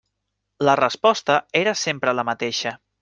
La resposta era sempre la mateixa.